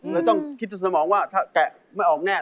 เลยต้องคิดจนสมองว่าถ้าแกะไม่ออกแน่